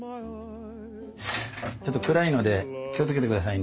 ちょっと暗いので気をつけて下さいね。